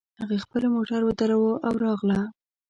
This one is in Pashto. هغې خپلې موټر ودراوو او راغله